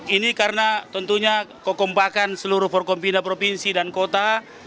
ini karena tentunya kekompakan seluruh forkompinda provinsi dan kota